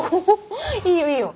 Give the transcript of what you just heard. いいよいいよ。